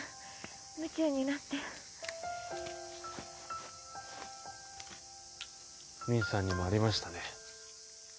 夢中になってミンさんにもありましたね